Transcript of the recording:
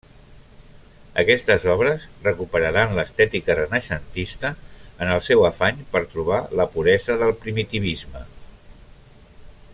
Aquestes obres recuperaran l'estètica renaixentista en el seu afany per trobar la puresa del primitivisme.